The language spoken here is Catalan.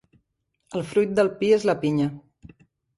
El fruit del pi és la pinya.